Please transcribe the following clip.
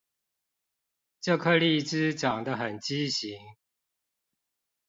這顆荔枝長得很畸形